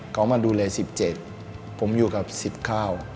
เขามาดูแลสิบเจ็ดผมอยู่กับสิบข้าว